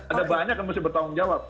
ada banyak yang mesti bertanggung jawab